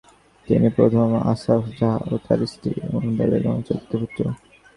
তিনি প্রথম আসাফ জাহ ও তার স্ত্রী উমদা বেগমের চতুর্থ পুত্র।